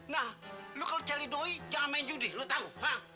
nah lu kalau cari doi jangan main judih lu tahu